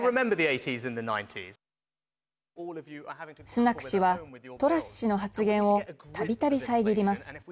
スナク氏はトラス氏の発言をたびたび遮ります。